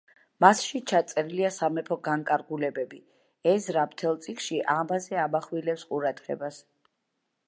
მასში ჩაწერილია სამეფო განკარგულებები, ეზრა მთელ წიგნში ამაზე ამახვილებს ყურადღებას.